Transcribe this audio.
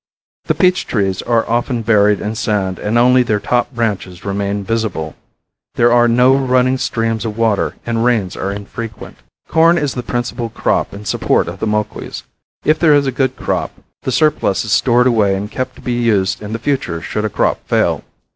The peach trees are often buried in sand or only their top branches remain visible. There are no running streams of water and rains are infrequent. Corn is the principal crop and support of the Moquis. If there is a good crop the surplus is stored away and kept to be used in the future should a crop fail.